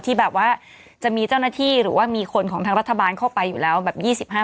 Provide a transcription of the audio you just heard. ที่แบบว่าจะมีเจ้าหน้าที่หรือว่ามีคนของทางรัฐบาลเข้าไปอยู่แล้วแบบ๒๕คน